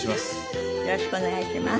よろしくお願いします。